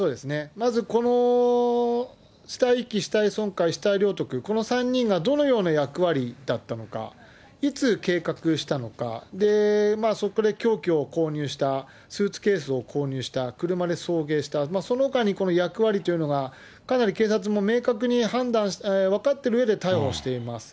まずこの死体遺棄、死体損壊、死体領得、この３人がどのような役割だったのか、いつ計画したのか、そこから凶器を購入した、スーツケースを購入した、車で送迎した、そのほかに、役割というのが、かなり警察も明確に判断、分かってるうえで逮捕しています。